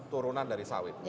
turunan dari sawit